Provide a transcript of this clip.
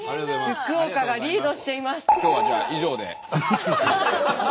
福岡がリードしています。